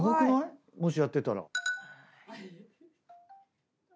もしやってたら。